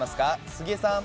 杉江さん。